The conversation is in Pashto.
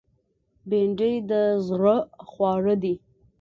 بېنډۍ د زړه خواړه دي